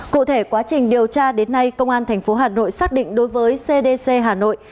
cụ thể quá trình điều tra đến nay công an tp hà nội xác định đối với cdc hà nội